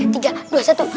tiga dua satu